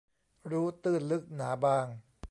รู้ตื้นลึกหนาบาง